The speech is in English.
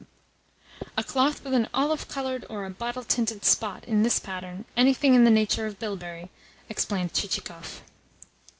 "A cloth with an olive coloured or a bottle tinted spot in its pattern anything in the nature of bilberry," explained Chichikov.